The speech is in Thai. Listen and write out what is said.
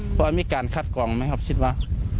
เพราะว่ามีการคัดกรองไหมครับคิดว่า